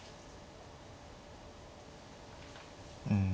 うん。